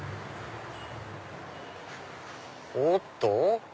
おっと。